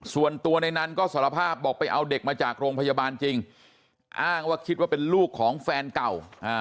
ส่วนตัวในนั้นก็สารภาพบอกไปเอาเด็กมาจากโรงพยาบาลจริงอ้างว่าคิดว่าเป็นลูกของแฟนเก่า